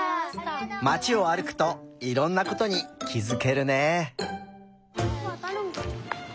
まちをあるくといろんなことにきづけるね。